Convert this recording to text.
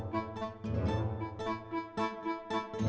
ya aku mau